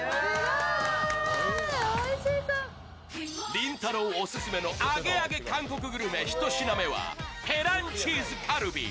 りんたろーオススメのアゲアゲ韓国グルメ１品目はヘランチーズカルビ。